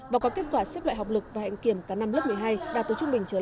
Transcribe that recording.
và có kết quả xếp loại học lực và hạnh kiểm cả năm lớp một mươi hai đạt từ trung bình trở lên